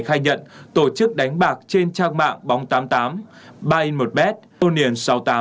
khai nhận tổ chức đánh bạc trên trang mạng bóng tám mươi tám buy in một bed union sáu mươi tám